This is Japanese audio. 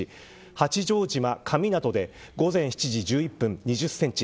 八丈島、神湊で午前７時１１分に１０センチ。